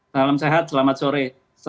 salam sehat selamat sore